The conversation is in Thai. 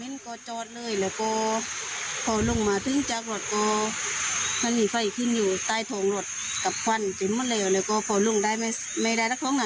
๒นาทีไฟขึ้นลุกคือเลยค่ะ